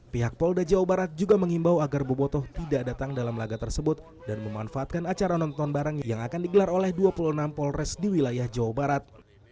pihak polda jawa barat juga mengimbau agar boboto tidak datang dalam laga tersebut dan memanfaatkan acara nonton bareng yang akan digelar oleh dua puluh enam polres di wilayah jawa barat